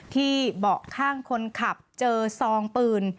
เบาะข้างคนขับเจอซองปืน